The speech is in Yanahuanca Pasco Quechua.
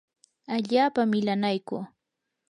allaapa milanaykuu.